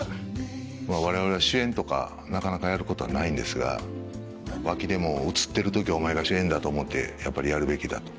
我々は主演とかなかなかやることはないんですが脇でも映ってる時はお前が主演だと思ってやるべきだと。